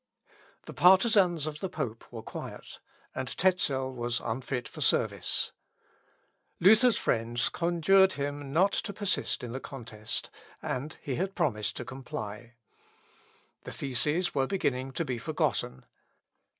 The partisans of the pope were quiet; and Tezel was unfit for service. Luther's friends conjured him not to persist in the contest, and he had promised to comply. The theses were beginning to be forgotten.